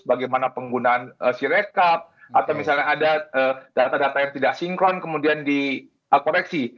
bagaimana penggunaan sirekap atau misalnya ada data data yang tidak sinkron kemudian dikoreksi